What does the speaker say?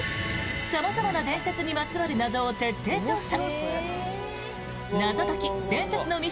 様々な伝説にまつわる謎を徹底調査！